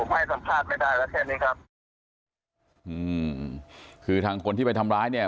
ผมให้สัมภาษณ์ไม่ได้แล้วแค่นี้ครับอืมคือทางคนที่ไปทำร้ายเนี่ย